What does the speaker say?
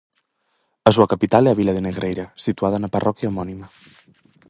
A súa capital é a vila de Negreira, situada na parroquia homónima.